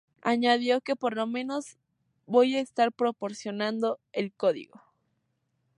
Añadió que "por lo menos voy a estar proporcionando el código.